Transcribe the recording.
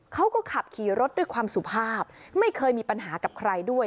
เขาก็ขับขี่รถด้วยความสุภาพไม่เคยมีปัญหากับใครด้วย